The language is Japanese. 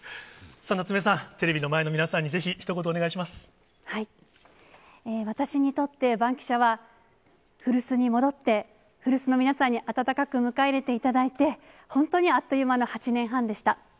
さあ、夏目さん、テレビの前の皆私にとって、バンキシャは古巣に戻って、古巣の皆さんに温かく迎え入れていただいて、本当にあっという間の８年半でした。